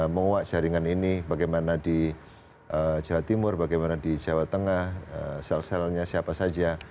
menguat jaringan ini bagaimana di jawa timur bagaimana di jawa tengah sel selnya siapa saja